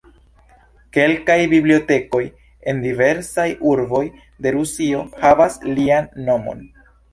Kelkaj bibliotekoj en diversaj urboj de Rusio havas lian nomon.